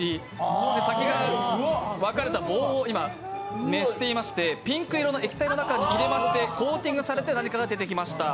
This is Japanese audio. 先が分かれた棒を今、熱していましてピンク色の液体の中に入れましてコーティングされて何かが出てきました。